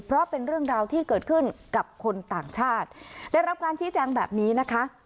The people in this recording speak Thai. เพราะเป็นเรื่องราวที่เกิดขึ้นกับคนต่างชาติได้รับการชี้แจงแบบนี้นะคะ